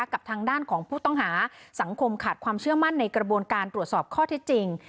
กับทางด้านของผู้ต้องหาสังคมขาดความเชื่อมั่นในกระบวนการตรวจสอบข้อเท็จจริง